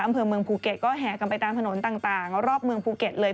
อำเภอเมืองภูเก็ตก็แห่กันไปตามถนนต่างรอบเมืองภูเก็ตเลย